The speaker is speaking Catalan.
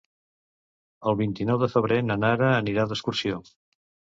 El vint-i-nou de febrer na Nara anirà d'excursió.